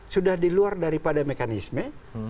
sudah diluar daripada mekanisme